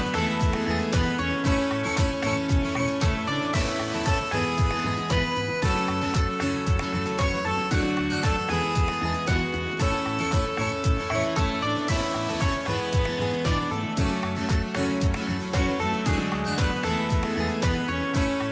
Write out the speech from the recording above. สวัสดีครับสวัสดีครับสวัสดีครับ